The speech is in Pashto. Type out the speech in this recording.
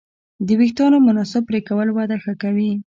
د وېښتیانو مناسب پرېکول وده ښه کوي.